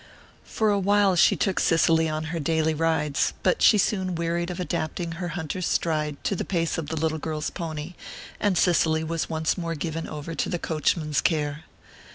For a while she took Cicely on her daily rides; but she soon wearied of adapting her hunter's stride to the pace of the little girl's pony, and Cicely was once more given over to the coachman's care.